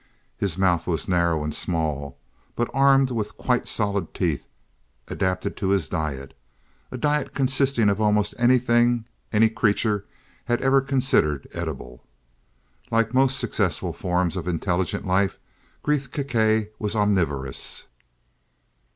His mouth was narrow, and small, but armed with quite solid teeth adapted to his diet, a diet consisting of almost anything any creature had ever considered edible. Like most successful forms of intelligent life, Gresth Gkae was omnivorous.